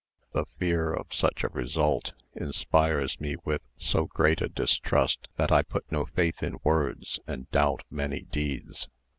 The fear of such a result inspires me with so great a distrust, that I put no faith in words, and doubt many deeds.